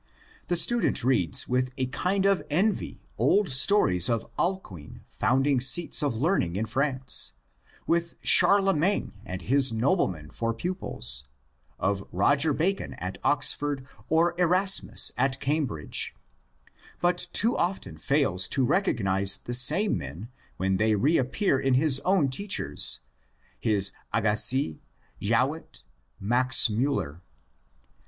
The student reads with a kind of envy old stories of Alcuin founding seats of learning in France, with Charlemagne and his noblemen for pupils, of Boger Bacon at Oxford, or Erasmus at Cambridge, but too often fails to recognize the same men when they reappear in his own teach ers— his Agassiz, Jowett, Max Miiller.